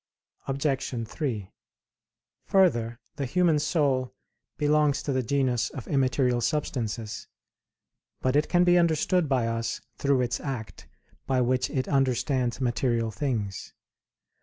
Obj. 3: Further, the human soul belongs to the genus of immaterial substances. But it can be understood by us through its act by which it understands material things.